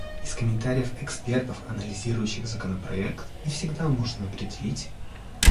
Из комментариев экспертов, анализирующих законопроект, не всегда можно определить